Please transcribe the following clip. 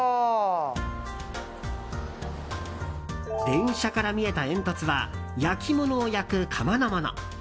電車から見えた煙突は焼き物を焼く窯のもの。